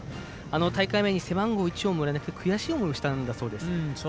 大会前、背番号１をもらえず悔しい思いをしたんだそうです。